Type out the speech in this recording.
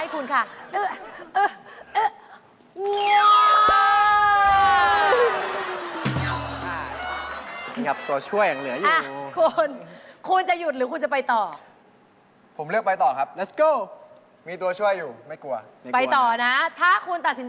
ผมว่าเรามีตัวช่วยนะครับ